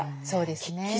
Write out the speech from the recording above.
そうですね。